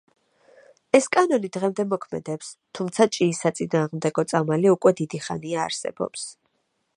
ეს კანონი დღემდე მოქმედებს, თუმცა ჭიის საწინააღმდეგო წამალი უკვე დიდი ხანია არსებობს.